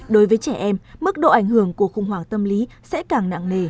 đối với trẻ em mức độ ảnh hưởng của khủng hoảng tâm lý sẽ càng nặng nề